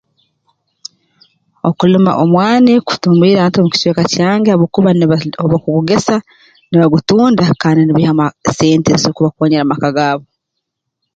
Okulima omwani kutumbwire abantu b'omu kicweka kyange habwokuba niba obu bakugugesa nibagutunda kandi nibaihamu ah sente ezisobora kubakoonyera mu maka gaabo